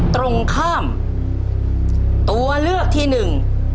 ตรงข้ามตัวเลือกที่หนึ่ง